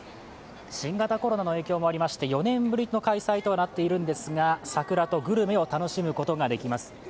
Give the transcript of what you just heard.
新型コロナの影響もありまして４年ぶりの開催となっているんですが桜とグルメを楽しむことができます。